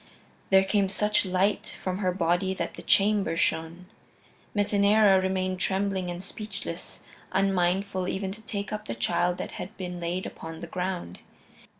There came such light from her body that the chamber shone. Metaneira remained trembling and speechless, unmindful even to take up the child that had been laid upon the ground.